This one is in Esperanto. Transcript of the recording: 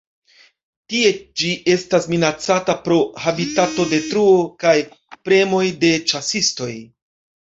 Tie ĝi estas minacata pro habitatodetruo kaj premoj de ĉasistoj.